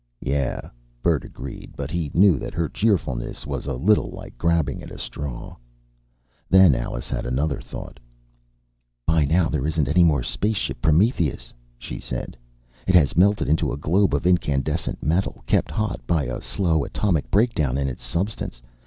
"Yeah," Bert agreed, but he knew that her cheerfulness was a little like grabbing at a straw. Then Alice had another thought, "By now there isn't anymore Space Ship Prometheus," she said. "It has melted to a globe of incandescent metal, kept hot by a slow atomic breakdown in its substance.